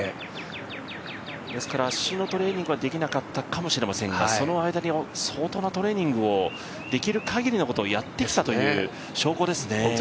ですから足のトレーニングはできなかったかもしれませんが相当、トレーニングをできるかぎりのことをやってきたという証拠ですね。